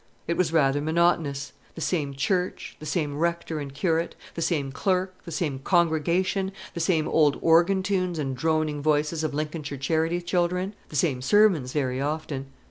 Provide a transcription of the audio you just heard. It was rather monotonous the same church, the same rector and curate, the same clerk, the same congregation, the same old organ tunes and droning voices of Lincolnshire charity children, the same sermons very often.